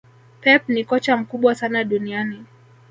pep ni kocha mkubwa sana duniani